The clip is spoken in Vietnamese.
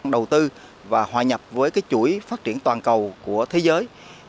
đầu tư và hòa nhập với chuỗi phát triển toàn cầu của thế giới